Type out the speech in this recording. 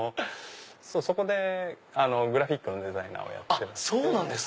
そこでグラフィックのデザイナーをやってまして。